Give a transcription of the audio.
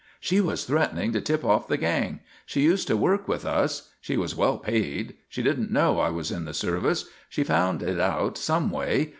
"She was threatening to tip off the gang. She used to work with us. She was well paid. She didn't know I was in the service. She found it out some way.